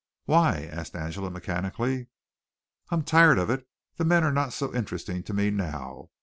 "Why?" asked Angela mechanically. "I'm tired of it. The men are not so interesting to me now.